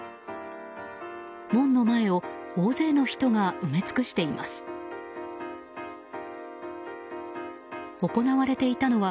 門の前を、大勢の人が埋め尽くしています。